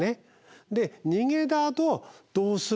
で逃げたあとどうするか。